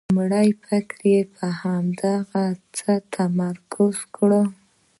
لومړی فکر یې پر همدغه څه متمرکز کړ.